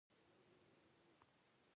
له تجربو زده کړه ولې پکار ده؟